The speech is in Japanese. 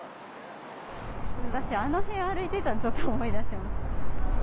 あの辺歩いてたのちょっと思い出しました。